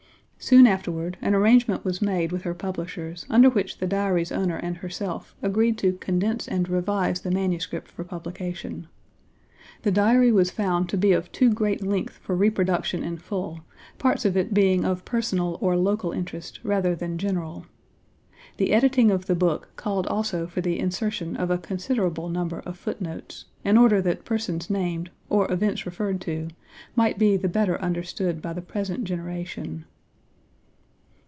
Soon afterward an arrangement was made with her publishers under which the Diary's owner and herself agreed to condense Page xxii and revise the manuscript for publication. The Diary was found to be of too great length for reproduction in full, parts of it being of personal or local interest rather than general. The editing of the book called also for the insertion of a considerable number of foot notes, in order that persons named, or events referred to, might be the better understood by the present generation.